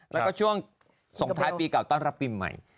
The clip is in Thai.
แล้วก็ช่วงส่งท้ายปีเก่าต้อนรับปีใหม่